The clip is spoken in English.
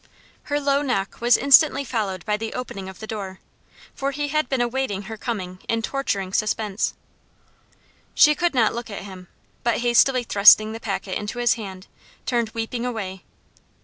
Her low knock was instantly followed by the opening of the door, for he had been awaiting her coming in torturing suspense. She could not look at him, but hastily thrusting the packet into his hand, turned weeping away.